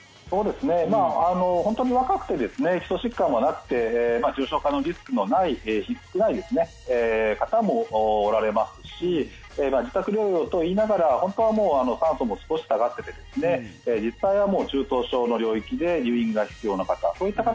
本当に若くて基礎疾患がなくて重症化のリスクのない少ない方もおられますし自宅療養といいながら本当は酸素も少し下がっていて実際は中等症の領域で入院が必要な方。